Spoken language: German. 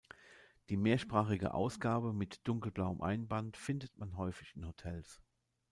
Die mehrsprachige Ausgabe mit dunkelblauem Einband findet man häufig in Hotels.